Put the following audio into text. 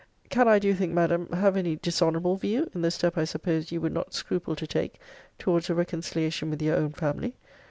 Can I, do you think, Madam, have any dishonourable view in the step I supposed you would not scruple to take towards a reconciliation with your own family?